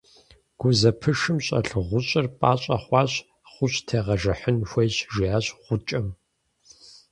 – Гузэпышым щӀэлъ гъущӀыр пӀащӀэ хъуащ, гъущӀ тегъэжыхьын хуейщ, – жиӀащ гъукӀэм.